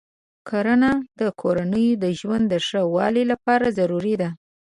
کرنه د کورنیو د ژوند د ښه والي لپاره ضروري ده.